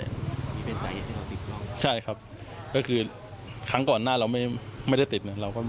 มีเป็นสาเหตุที่เราติดลองใช่ครับก็คือครั้งก่อนหน้าเราไม่ได้ติด